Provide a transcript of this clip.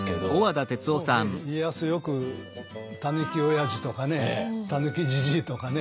よく「たぬきおやじ」とかね「たぬきじじい」とかね